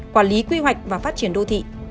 quản lý quy hoạch và phát triển đô thị